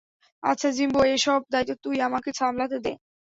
আচ্ছা জিম্বো, এসব দায়িত্ব তুই আমাকে সামলাতে দে।